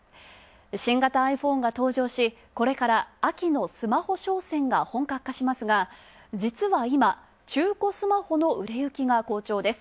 新型ｉＰｈｏｎｅが登場しこれから秋のスマホ商戦が本格化しますが、実は今、中古スマホの売れ行き好調です。